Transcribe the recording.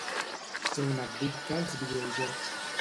Ser un addicte als videojocs